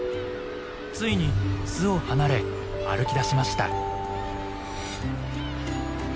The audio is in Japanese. ついに巣を離れ歩きだしました。